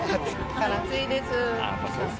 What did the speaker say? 暑いです。